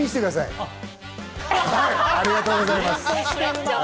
ありがとうございます。